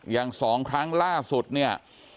อย่างสองครั้งล่าสุดเนี่ย